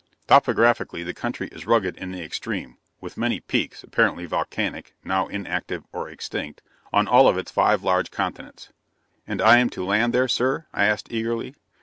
Topographically, the country is rugged in the extreme, with many peaks, apparently volcanic, but now inactive or extinct, on all of its five large continents." "And am I to land there, sir?" I asked eagerly.